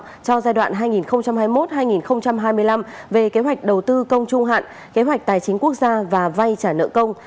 đã thông qua bốn nghị quyết quan trọng cho giai đoạn hai nghìn hai mươi một hai nghìn hai mươi năm về kế hoạch đầu tư công trung hạn kế hoạch tài chính quốc gia và vay trả nợ công